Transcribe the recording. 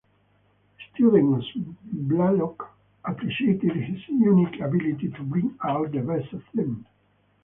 Students of Blalock appreciated his unique ability to bring out the best of them.